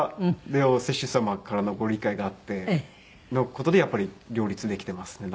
でお施主様からのご理解があっての事でやっぱり両立できていますね